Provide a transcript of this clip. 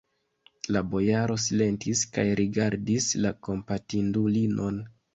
La bojaro silentis kaj rigardis la kompatindulinon.